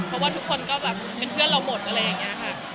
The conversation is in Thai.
เพราะว่าทุกคนก็แบบเป็นเพื่อนเราหมดอะไรอย่างนี้ค่ะ